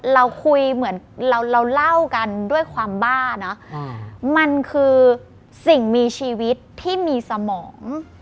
เราเล่ากันด้วยความบ้านะมันคือสิ่งมีชีวิตที่มีสมอง